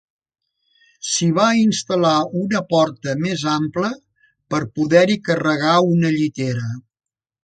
S'hi va instal·lar una porta més ampla per poder-hi carregar una llitera.